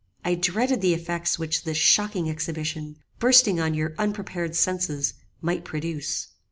I dreaded the effects which this shocking exhibition, bursting on your unprepared senses, might produce.